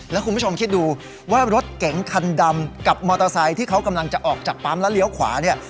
แล้วคุณผู้ชมคิดดูว่ารถเก๋งคันดำกับมอเตอร์ไซค์ที่เขากำลังจะออกจากปั๊มแล้วเลี้ยวขวาเนี่ย